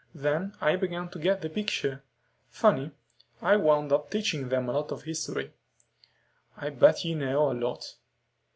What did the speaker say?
Then I began to get the picture. Funny. I wound up teaching them a lot of history." "I bet you know a lot."